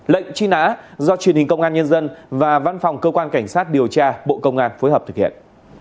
lệnh truy nã do truyền hình công an nhân dân và văn phòng cơ quan cảnh sát điều tra bộ công an phối hợp thực hiện